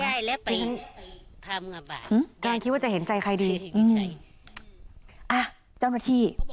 อืมการคิดว่าจะเห็นใจใครดีอืมอ่ะเจ้าหน้าที่